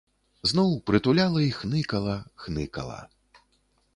Зноў прытуляла і хныкала, хныкала.